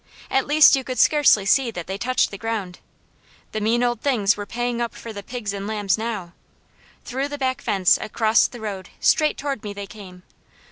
At least you could scarcely see that they touched the ground. The mean old things were paying up for the pigs and lambs now. Through the fence, across the road, straight toward me they came.